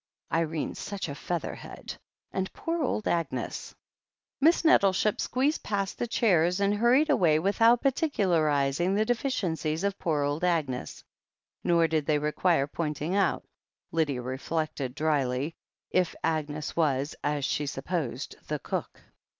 Irene's such a feather head, and poor old Agnes " Miss Nettleship squeezed past the chairs, and hurried away without particularizing the deficiencies of poor old Agnes. Nor did they require pointing out, Lydia reflected drily, if Agnes was, as she supposed, the cook.